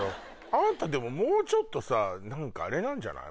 あなたもうちょっとさ何かあれなんじゃない？